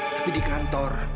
tapi di kantor